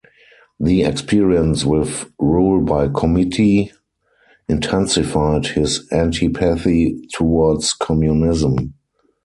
The experience with rule by committee intensified his antipathy towards Communism.